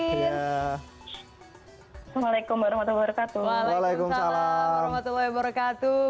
assalamualaikum warahmatullahi wabarakatuh